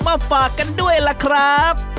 มาฝากกันด้วยล่ะครับ